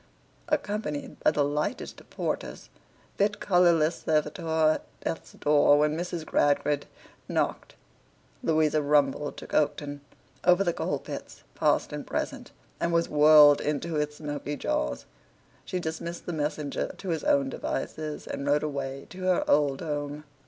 Accompanied by the lightest of porters, fit colourless servitor at Death's door when Mrs. Gradgrind knocked, Louisa rumbled to Coketown, over the coal pits past and present, and was whirled into its smoky jaws. She dismissed the messenger to his own devices, and rode away to her old home.